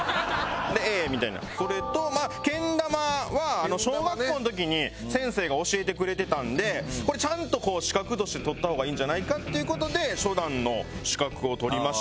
それとけん玉は小学校の時に先生が教えてくれてたんでこれちゃんと資格として取った方がいいんじゃないかっていう事で初段の資格を取りました。